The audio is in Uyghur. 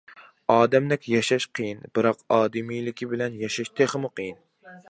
ئادەمدەك ياشاش قىيىن، بىراق ئادىمىيلىكى بىلەن ياشاش تېخىمۇ قېيىن.